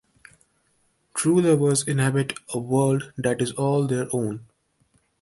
True lovers inhabit a world that is all their own.